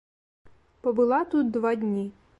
Пабыла тут два дні.